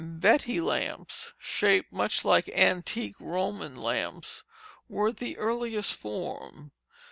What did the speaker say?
"Betty lamps," shaped much like antique Roman lamps, were the earliest form.